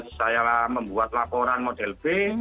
saya membuat laporan model b